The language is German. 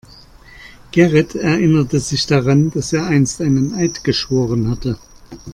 Gerrit erinnerte sich daran, dass er einst einen Eid geschworen hatte.